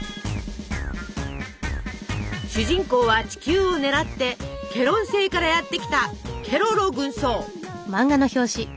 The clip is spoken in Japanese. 主人公は地球を狙ってケロン星からやって来たケロロ軍曹。